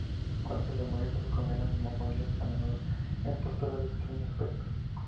Cuando se les molesta, se congelan inmóviles, a menudo en posturas de extraño aspecto.